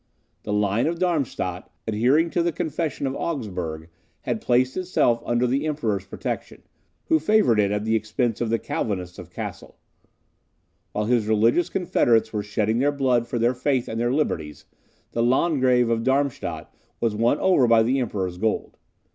The line of Darmstadt, adhering to the Confession of Augsburg, had placed itself under the Emperor's protection, who favoured it at the expense of the Calvinists of Cassel. While his religious confederates were shedding their blood for their faith and their liberties, the Landgrave of Darmstadt was won over by the Emperor's gold.